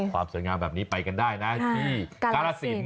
ความสวยงามแบบนี้ไปกันได้นะที่กรสิน